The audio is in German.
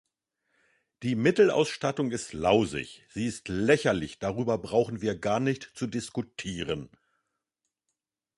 Die Mittelausstattung ist lausig, sie ist lächerlich darüber brauchen wir gar nicht zu diskutieren.